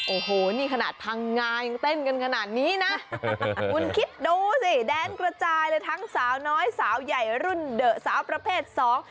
โอ้โหนี่ขนาดพังงายังเต้นกันขนาดนี้นะคุณคิดดูสิแดนกระจายเลยทั้งสาวน้อยสาวใหญ่รุ่นเดอะสาวประเภทสอง